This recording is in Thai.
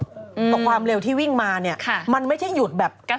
กับความเร็วที่วิ่งมามันไม่ใช่หยุดแบบ